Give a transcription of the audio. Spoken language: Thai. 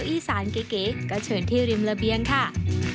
พี่สารเก๊ก็เชิญที่ริมระเบียงข้า